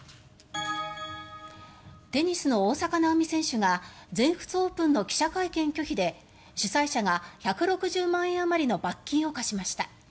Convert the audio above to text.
テニスの大坂なおみ選手が全仏オープンの記者会見拒否で主催者が１６０万円あまりの罰金を科しました。